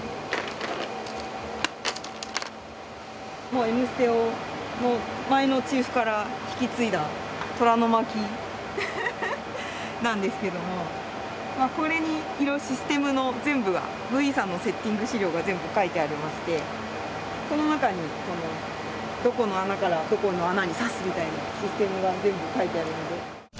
もう『Ｍステ』を前のチーフから引き継いだ「虎の巻」なんですけどもこれにシステムの全部がＶＥさんのセッティング資料が全部書いてありましてその中にこのどこの穴からどこの穴に挿すみたいなシステムが全部書いてあるので。